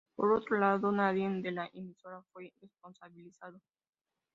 Por otro lado, nadie de la emisora fue responsabilizado.